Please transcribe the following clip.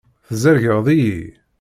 Tzerrgeḍ-iyi.